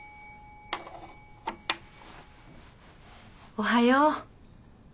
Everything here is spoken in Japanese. おはよう。